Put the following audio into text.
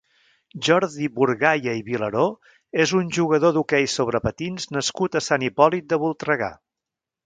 Jordi Burgaya i Vilaró és un jugador d'hoquei sobre patins nascut a Sant Hipòlit de Voltregà.